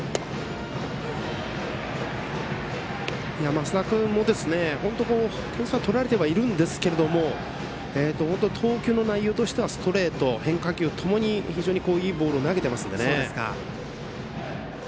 升田君も点数は取られてはいるんですが投球の内容はストレート、変化球ともにいいボールを投げてますので。